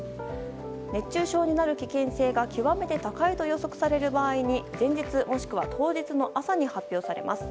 熱中症になる危険性が極めて高いと予測される場合に前日、もしくは当日の朝に発表されます。